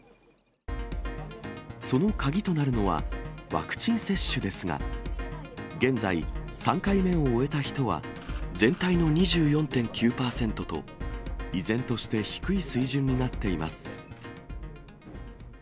その鍵となるのはワクチン接種ですが、現在、３回目を終えた人は全体の２４．９％と、依然として低い水準になっています。